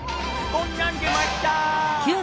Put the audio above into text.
こんなん出ました。